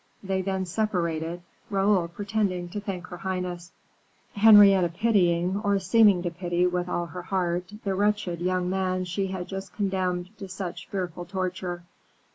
They then separated, Raoul pretending to thank her highness; Henrietta pitying, or seeming to pity, with all her heart, the wretched young man she had just condemned to such fearful torture.